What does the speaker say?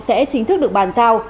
sẽ chính thức được bàn giao